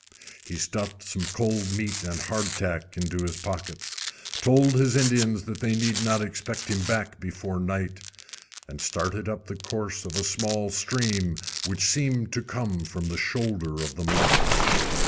He stuffed some cold meat and hard tack into his pockets, told his Indians they need not expect him back before night, and started up the course of a small stream which seemed to come from the shoulder of the mountain.